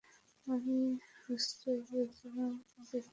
আমি হোস্টের পরিচালনা দেখতে পাচ্ছি না।